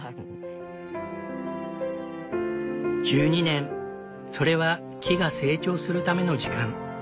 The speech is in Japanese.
１２年それは木が成長するための時間。